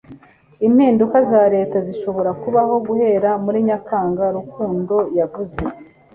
Impinduka za Leta zishobora kubaho guhera muri Nyakanga, Rukundo yavuze